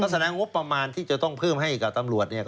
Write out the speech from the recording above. แสดงงบประมาณที่จะต้องเพิ่มให้กับตำรวจเนี่ย